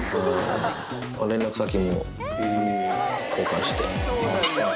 連絡先も交換して。